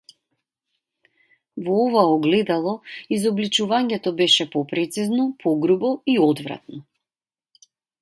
Во ова огледало изобличувањето беше попрецизно, погрубо, и одвратно.